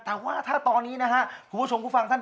เราไม่สามารถติดต่อกับน้องทางฟัง